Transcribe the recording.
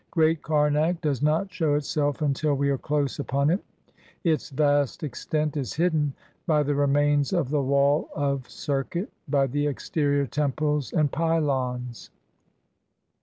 Great Karnak does not show itself until we are close upon it; its vast extent is hidden by the remains of the wall of circuit, by the exterior temples and pylons.